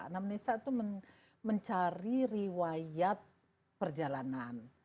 anamnesa itu mencari riwayat perjalanan